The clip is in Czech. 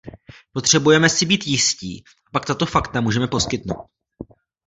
Potřebujeme si být jistí, a pak tato fakta můžeme poskytnout.